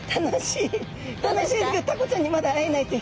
楽しいですけどタコちゃんにまだ会えないって。